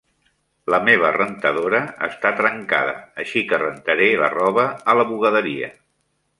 La meva rentadora està trencada, així que rentaré la roba a la bugaderia.